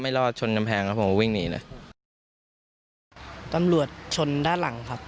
ไม่รอดชนแนมแพงครับผมวิ่งหนีเลยตำรวจชนด้านหลังครับ